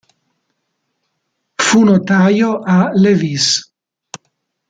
Fu notaio a Levice.